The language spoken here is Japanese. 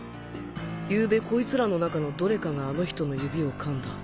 ゆうべこいつらの中のどれかがあの人の指を噛んだ